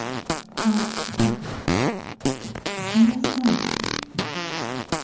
終わったミワさん。